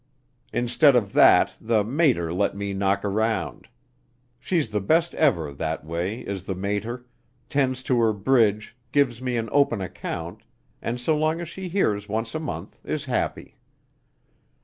Instead of that, the mater let me knock around. She's the best ever that way, is the mater tends to her Bridge, gives me an open account, and, so long as she hears once a month, is happy.